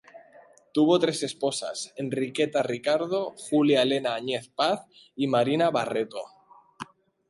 Tuvo tres esposas Enriqueta Ricardo, Julia Elena Añez Paz y Marina Barreto.